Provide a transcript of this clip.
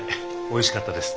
おいしかったです。